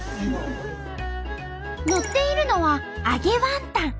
のっているのは揚げワンタン。